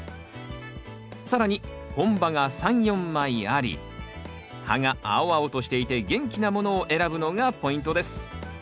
更に本葉が３４枚あり葉が青々としていて元気なものを選ぶのがポイントです。